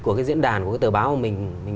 của cái diễn đàn của cái tờ báo của mình